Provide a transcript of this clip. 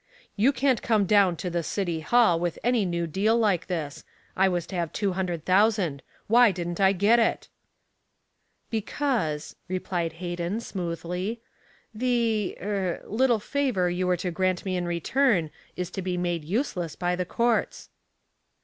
You can't come down to the City Hall with any new deal like this. I was to have two hundred thousand. Why didn't I get it?" "Because," replied Hayden smoothly, "the er little favor you were to grant me in return is to be made useless by the courts."